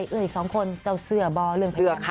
เอ่ย๒คนเจ้าเสือบอเรื่องพระเจ้า